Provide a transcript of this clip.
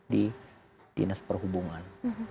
di dinas perhubungan